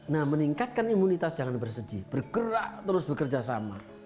nah meningkatkan imunitas jangan bersedih bergerak terus bekerja sama